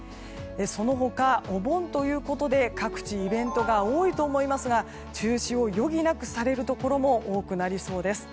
その他、お盆ということで各地イベントが多いと思いますが中止を余儀なくされるところも多くなりそうです。